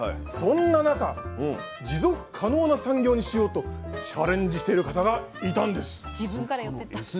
そんな中持続可能な産業にしようとチャレンジしてる方がいたんです。